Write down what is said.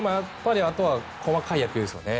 あとは細かい野球ですね。